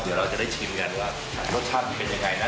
เดี๋ยวเราจะได้ชิมกันว่ารสชาตินี่เป็นยังไงนะ